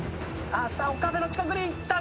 岡部の近くに行ったが。